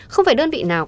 không phải đơn vị nào